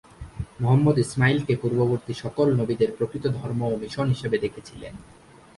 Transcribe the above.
মুহাম্মদ ইসলামকে পূর্ববর্তী সকল নবীদের প্রকৃত ধর্ম ও মিশন হিসেবে দেখেছিলেন।